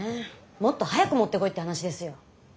もっと早く持ってこいって話ですよ。